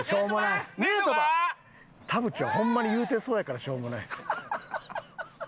田渕はホンマに言うてそうやからしょうもない。